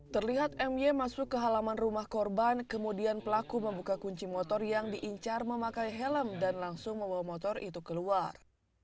terlihat my masuk ke halaman rumah korban kemudian pelaku membuka kunci motor yang diincar memakai helm dan langsung membawa motor itu keluar